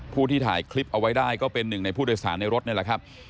ที่ถ่ายคลิปเอาไว้ได้ก็เป็นหนึ่งในผู้โดยสารในรถนี่แหละครับ